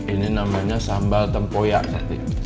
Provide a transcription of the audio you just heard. ini namanya sambal tempoyak nanti